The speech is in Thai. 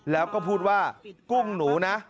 แล้วก็พูดว่ากุ้งหนูนะ